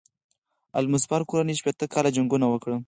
آل مظفر کورنۍ شپېته کاله جنګونه وکړل.